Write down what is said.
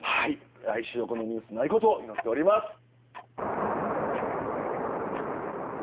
来週はこのニュースないことを祈っております。